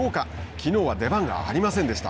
きのうは出番がありませんでした。